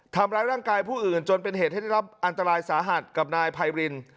ทำร้ายร่างกายผู้อื่นจนเป็นเหตุให้ได้รับอันตรายสาหัสกับนายไพริน